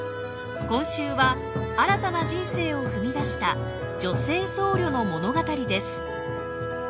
今週は新たな人生を踏み出した女性僧侶の物語です。